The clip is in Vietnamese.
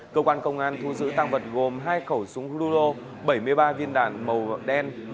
cơ quan công an thu giữ tăng vật gồm hai khẩu súng ludo bảy mươi ba viên đạn màu đen